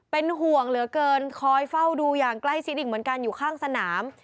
เป็นห่วงเหลือเกินคอยเฝ้าดูอย่างใกล้ชิดอีกเหมือนกันอยู่ข้างสนาม